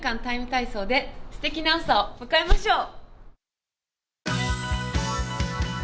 ＴＩＭＥ，体操」ですてきな朝を迎えましょう。